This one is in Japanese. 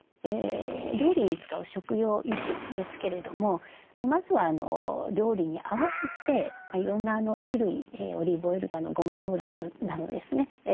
料理に使う食用油脂ですけれどもまずは料理に合わせていろんな種類オリーブオイルだのごま油などですね